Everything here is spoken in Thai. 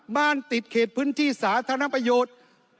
บ้านติดเขตพื้นที่สาธารณประโยชน์